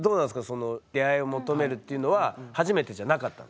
その出会いを求めるっていうのは初めてじゃなかったの？